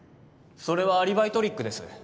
それはアリバイトリックです